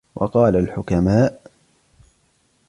وَقَالَ الْحُكَمَاءُ